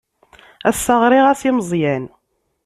Ass-a ɣriɣ-as i Meẓyan.